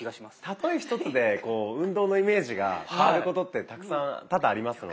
たとえ一つで運動のイメージが変わることって多々ありますので。